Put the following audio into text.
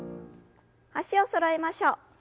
脚をそろえましょう。